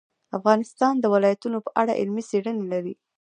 افغانستان د ولایتونو په اړه علمي څېړنې لري.